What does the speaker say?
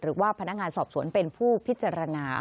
หรือว่าพนักงานสอบสวนเป็นผู้พิจารณา